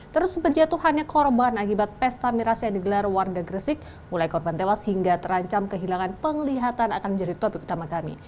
terus berjatuhannya korban akibat pesta miras yang digelar warga gresik mulai korban tewas hingga terancam kehilangan penglihatan akan menjadi topik utama kami